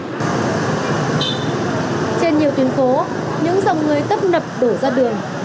trên nhiều tuyến phố những dòng người tấp nập đổ ra đường